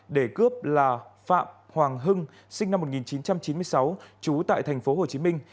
để cướp là phạm hoàng hưng sinh năm một nghìn chín trăm chín mươi sáu trú tại thành phố hồ chí minh